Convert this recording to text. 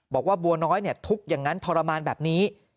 บอกว่าบัวน้อยทุกข์อย่างนั้นทรมานแบบนี้